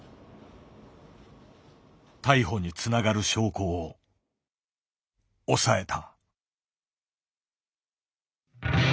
逮捕につながる証拠を押さえた。